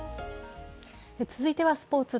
続いてはスポーツ。